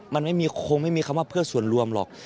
มันคงไม่มีคำว่าเพื่อส่วนรวมหรอก